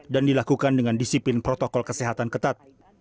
dan dilakukan dengan disiplin protokol kesehatan ketat